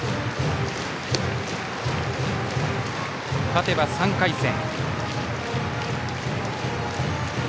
勝てば３回戦。